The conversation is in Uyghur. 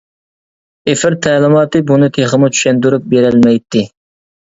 ئېفىر تەلىماتى بۇنى تېخىمۇ چۈشەندۈرۈپ بېرەلمەيتتى.